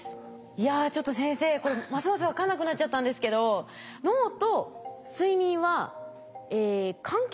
いやちょっと先生これますます分かんなくなっちゃったんですけど脳と睡眠は関係がないっていうことになっちゃうんですか？